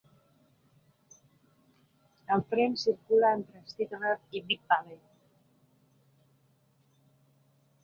El tren circula entre Stettler i Big Valley.